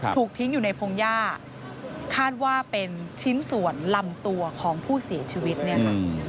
ถูกทิ้งอยู่ในพงหญ้าคาดว่าเป็นชิ้นส่วนลำตัวของผู้เสียชีวิตเนี่ยค่ะ